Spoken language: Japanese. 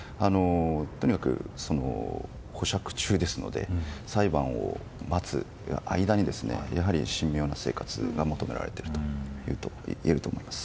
とにかく保釈中ですので裁判を待つ間にやはり神妙な生活が求められていると思います。